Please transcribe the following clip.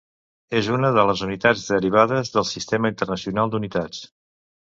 És una de les unitats derivades del Sistema Internacional d'Unitats.